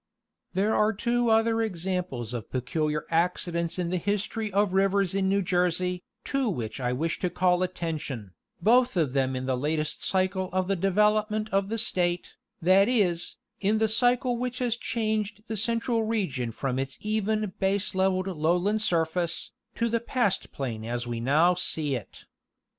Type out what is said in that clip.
There are two other examples of peculiar accidents in the his tory of rivers in New Jersey, to which I wish to call attention ; both of them in the latest cycle of the development of the State, that is, in the cycle which has changed the central region from its even baselevelled lowland surface, to the pastplain as we now see it.